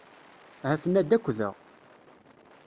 Ha-ten-ad akk da.